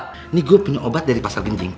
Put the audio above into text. ini gua punya obat dari pasar genjing